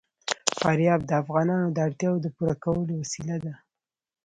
فاریاب د افغانانو د اړتیاوو د پوره کولو وسیله ده.